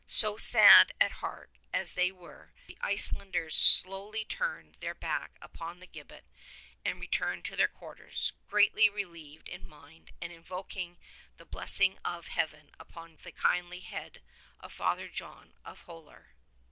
So, sad at heart as they were, the Icelanders slowly turned their back upon the gibbet and returned to their quarters, greatly relieved in mind, and invoking the blessing of Heaven upon the kindly head of Father John of Holar.